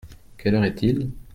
Quelle heure est-il ?